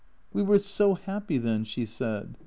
" We were so happy then," she said.